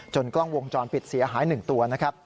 จนกล้องวงจรปิดเสียหาย๑ตัว